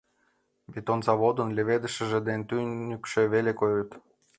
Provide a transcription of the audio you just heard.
Бетон заводын леведышыже ден тӱньыкшӧ веле койыт.